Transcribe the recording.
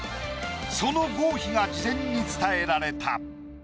その合否が事前に伝えられた。